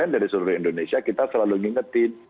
dari seluruh indonesia kita selalu ngingetin